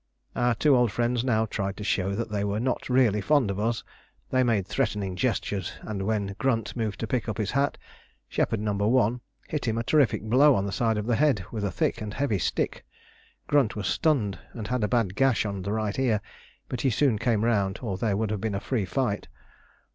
Our two old friends now tried to show that they were not really fond of us. They made threatening gestures, and when Grunt moved to pick up his hat, shepherd No. 1 hit him a terrific blow on the side of the head with a thick and heavy stick. Grunt was stunned, and had a bad gash on the right ear, but he soon came round or there would have been a free fight.